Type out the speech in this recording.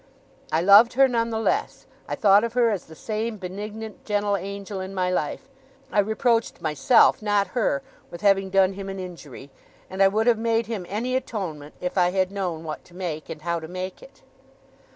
I loved her none the less; I thought of her as the same benignant, gentle angel in my life; I reproached myself, not her, with having done him an injury; and I would have made him any atonement if I had known what to make, and how to make it.